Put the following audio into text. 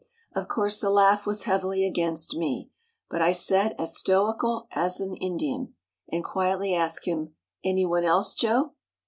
Of course, the laugh was heavily against me, but I sat, as stoical as an Indian, and quietly asked him: "Anyone else, Joe?"